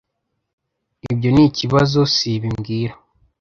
Ibyo nikibazo, sibi mbwira